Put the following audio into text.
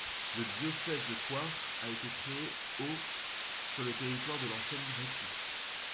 Le diocèse de Coire a été créé au sur le territoire de l'ancienne Rhétie.